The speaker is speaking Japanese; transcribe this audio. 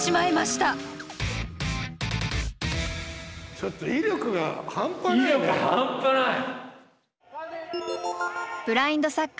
ちょっと威力が半端ないね。